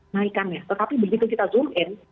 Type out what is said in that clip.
naikannya tetapi begitu kita zoom in